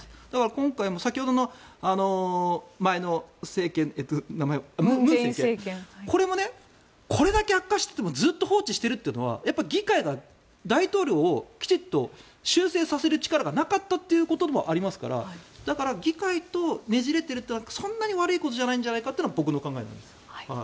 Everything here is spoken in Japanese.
今回、先ほど前の政権の文政権これも、これだけ悪化しててもずっと放置しているというのはやっぱり議会が大統領をきちんと修正させる力がなかったということもありますからだから、議会とねじれているというのはそんなに悪いことじゃないんじゃないかというのは僕の考えです。